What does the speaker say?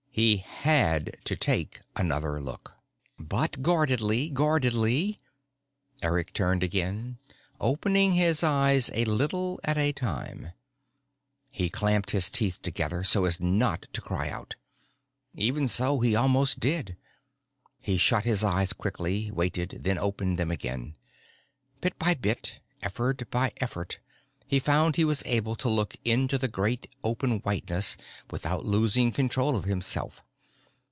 He had to take another look. But guardedly, guardedly. Eric turned again, opening his eyes a little at a time. He clamped his teeth together so as not to cry out. Even so, he almost did. He shut his eyes quickly, waited, then opened them again. Bit by bit, effort by effort, he found he was able to look into the great open whiteness without losing control of himself.